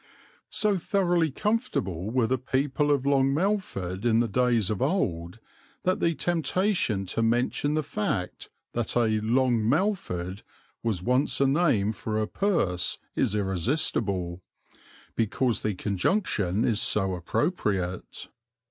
So thoroughly comfortable were the people of Long Melford in the days of old that the temptation to mention the fact that a "Long Melford" was once a name for a purse is irresistible, because the conjunction is so appropriate.